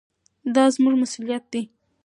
دا زموږ مسؤلیت دی.